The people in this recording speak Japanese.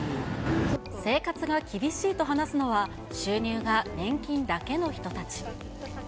生活が厳しいと話すのは、収入が年金だけの人たち。